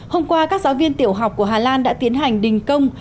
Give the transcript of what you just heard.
hôm qua các giáo viên tiểu học của hà lan đã tiến hành đình công